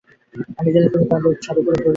আমি জানি তুমি তাদেরকে সাধু পুরুষ ভেবেছিলে।